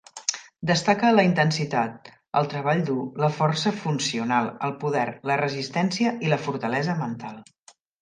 Destaca la intensitat, el treball dur, la força funcional, el poder, la resistència i la fortalesa mental.